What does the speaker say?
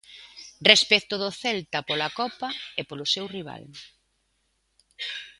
Respecto do Celta pola Copa e polo seu rival.